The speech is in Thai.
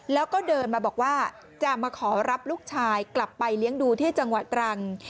แล้วก็เดินมาบอกว่าจะมาขอรับลูกชายกลับไปเลี้ยงดูที่จังหวัดตรัง